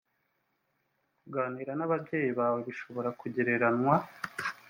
kuganira n ababyeyi bawe bishobora kugereranywa